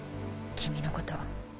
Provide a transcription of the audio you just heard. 君のこと。